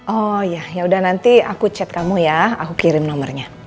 oh ya yaudah nanti aku chat kamu ya aku kirim nomornya